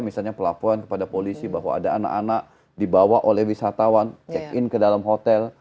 misalnya pelaporan kepada polisi bahwa ada anak anak dibawa oleh wisatawan check in ke dalam hotel